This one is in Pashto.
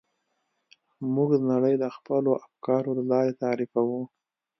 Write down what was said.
موږ نړۍ د خپلو افکارو له لارې تعریفوو.